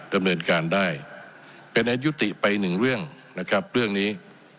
ดำเนินการได้เป็นอายุติไปหนึ่งเรื่องนะครับเรื่องนี้